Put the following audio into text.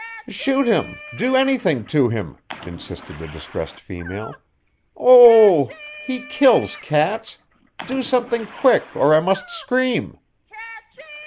"Shoot him! do anything to him!" insisted the distressed female. "Oo oo oo! he kills cats. Do something quick or I must scream."